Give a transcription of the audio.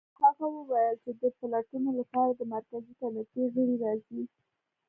هغه وویل چې د پلټنو لپاره د مرکزي کمېټې غړي راځي